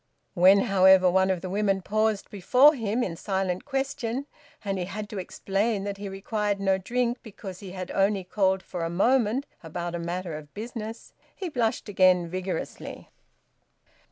When, however, one of the women paused before him in silent question, and he had to explain that he required no drink because he had only called for a moment about a matter of business, he blushed again vigorously.